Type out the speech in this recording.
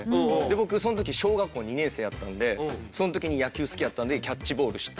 僕その時小学校２年生やったんでその時に野球好きやったんでキャッチボールして。